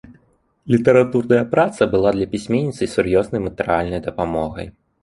Літаратурная праца была для пісьменніцы сур'ёзнай матэрыяльнай дапамогай.